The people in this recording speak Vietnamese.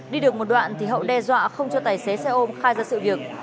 đi được một đoạn thì hậu đe dọa không cho tài xế xe ôm khai ra sự việc